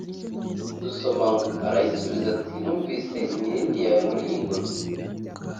Dusoma ngo “Arayisubiza ati ‘numvise imirindi yawe muri iyi ngobyi